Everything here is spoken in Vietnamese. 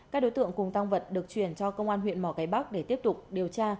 các đối tượng cùng tăng vật được chuyển cho công an huyện mỏ cái bắc để tiếp tục điều tra